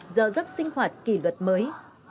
do rất sinh hoạt kỷ luật mới